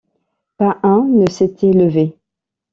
Pas un ne s’était levé.